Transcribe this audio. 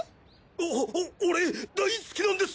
お俺大好きなんです！